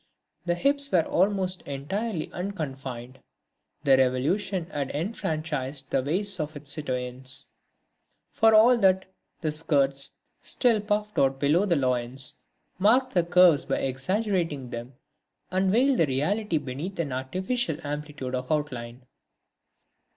The hips were almost entirely unconfined; the Revolution had enfranchised the waists of its citoyennes. For all that, the skirts, still puffed out below the loins, marked the curves by exaggerating them and veiled the reality beneath an artificial amplitude of outline.